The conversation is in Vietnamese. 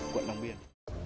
quận đồng biên